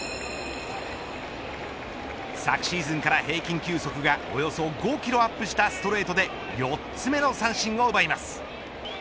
昨シーズンから平均球速がおよそ５キロアップしたストレートで４つ目の三振を奪います。